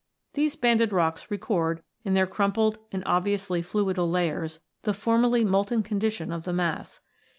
These banded rocks record, in their crumpled and obviously fluidal layers, the formerly molten condition of the mass.